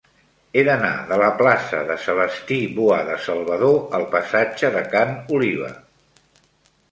He d'anar de la plaça de Celestí Boada Salvador al passatge de Ca n'Oliva.